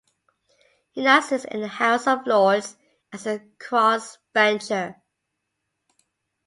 He now sits in the House of Lords as a crossbencher.